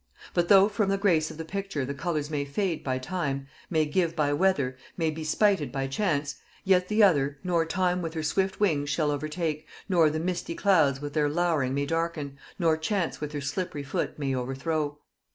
But though from the grace of the picture the colors may fade by time, may give by weather, may be spited by chance; yet the other, nor time with her swift wings shall overtake, nor the misty clouds with their lowering may darken, nor chance with her slippery foot may overthrow.